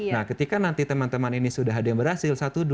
nah ketika nanti teman teman ini sudah ada yang berhasil